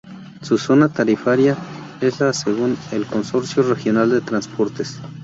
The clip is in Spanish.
Su zona tarifaria es la A según el Consorcio Regional de Transportes.